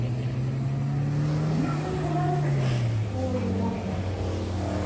本当に困るんだけど、こういうごみが。